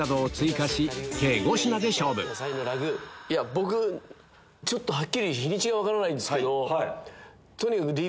僕ちょっとはっきり日にちが分からないんですけど。